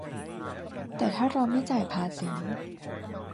แต่ถ้าเราไม่จ่ายภาษี